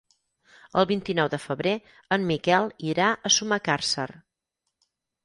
El vint-i-nou de febrer en Miquel irà a Sumacàrcer.